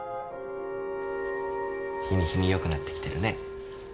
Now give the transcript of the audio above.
日に日に良くなってきてるね。